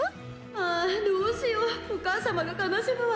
あどうしようお母様が悲しむわ。